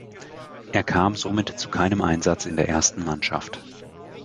Er kam somit zu keinem Einsatz in der ersten Mannschaft.